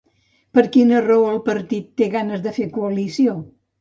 Per quina raó el partit té ganes de fer coalició?